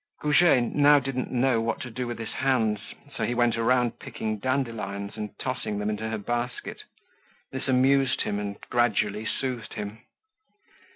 Goujet now didn't know what to do with his hands, so he went around picking dandelions and tossing them into her basket. This amused him and gradually soothed him.